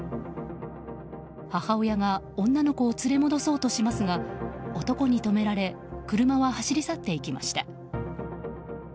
母親が女の子を連れ戻そうとしますが男に止められ車は走り去っていきました。